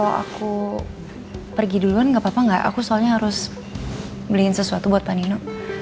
kalau aku pergi duluan gak apa apa enggak aku soalnya harus beliin sesuatu buat pak nino